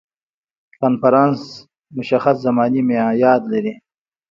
کنفرانس مشخص زماني معیاد لري.